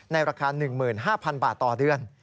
ในราคา๑๕๐๐๐บาทต่อเดือน